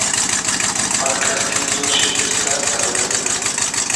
آر کئس کی زۉر شی بیرسۂ سئروئری نۂ